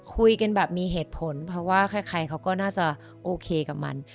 คุยกันแบบมีเหตุผลเพราะว่าใครเขาก็น่าจะโอเคกับมัน